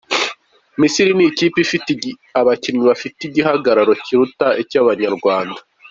Misiri ni ikipe ifite abakinnyi bafite igihagararo kiruta icy’abanyarwanda.